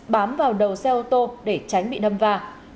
bám vào đầu xe ô tô để tránh bị đâm va